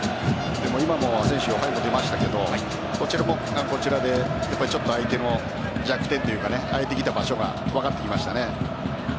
今もアセンシオ背後に出ましたけどこちらもこちらで相手の弱点というか変えてきた場所が分かってきましたね。